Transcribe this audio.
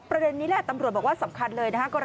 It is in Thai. ประเด็นนี้แหละตำรวจบอกว่าสำคัญเลยนะครับ